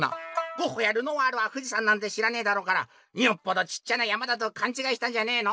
「ゴッホやルノワールは富士山なんて知らねえだろうからよっぽどちっちゃな山だとかんちがいしたんじゃねえの？」。